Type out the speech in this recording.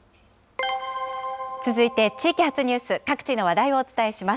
続いて地域発ニュース、各地の話題をお伝えします。